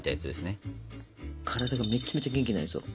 体がめっちゃめちゃ元気になりそう。